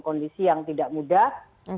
kondisi yang tidak mudah